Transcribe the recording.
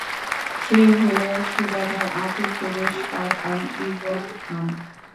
সে হলো সুদানের আদি পুরুষ কানআন ইবন হাম।